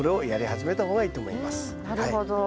なるほど。